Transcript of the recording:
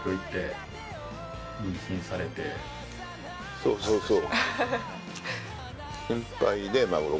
そうそうそう。